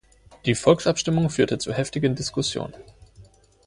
Die Volksabstimmung führte zu heftigen Diskussionen.